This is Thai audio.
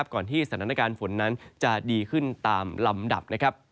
ก่อนที่สถานการณ์ฝนนั้นจะดีขึ้นตามลำดับนะครับ